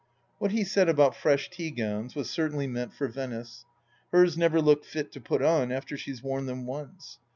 What he said about fresh tea gowns was certainly meant for Venice. Hers never look fit to put on after she has worn them once.